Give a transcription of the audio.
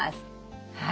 はい。